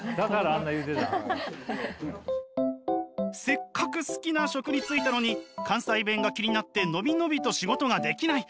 せっかく好きな職に就いたのに関西弁が気になって伸び伸びと仕事ができない！